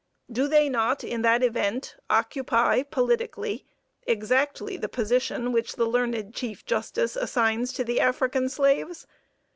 Do they not, in that event, occupy, politically, exactly the position which the learned Chief Justice assigns to the African slaves?